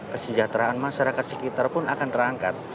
kesejahteraan masyarakat sekitar pun akan terangkat